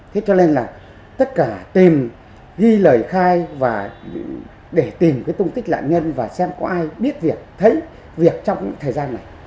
thế cho nên là tất cả tìm ghi lời khai và để tìm cái tung tích nạn nhân và xem có ai biết việc thấy việc trong thời gian này